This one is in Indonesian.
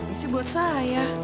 ini buat saya